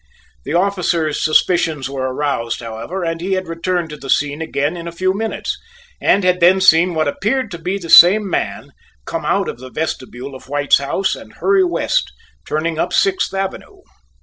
The officer's suspicions were aroused, however, and he had returned to the scene again in a few minutes, and had then seen what appeared to be the same man come out of the vestibule of White's house and hurry west, turning up Sixth Avenue.